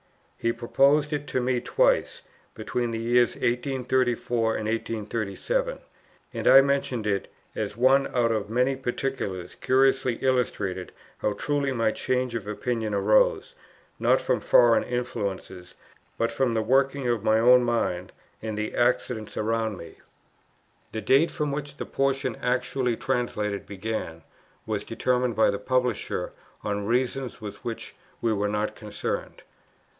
He proposed it to me twice, between the years 1834 and 1837; and I mention it as one out of many particulars curiously illustrating how truly my change of opinion arose, not from foreign influences, but from the working of my own mind, and the accidents around me. The date, from which the portion actually translated began, was determined by the Publisher on reasons with which we were not concerned.